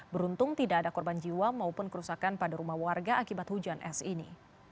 beruntung tidak ada korban jiwa maupun kerusakan pada rumah warga akibat hujan es ini